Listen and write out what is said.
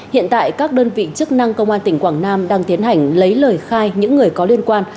hiện tại các đơn vị chức năng công an tỉnh quảng nam đang tiến hành lấy lời khai những người có liên quan